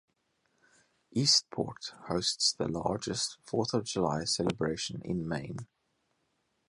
Eastport hosts the largest Fourth of July celebration in Maine.